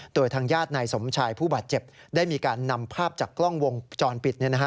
โดยทางญาตินายสมชายผู้บาดเจ็บได้มีการนำภาพจากกล้องวงจรปิด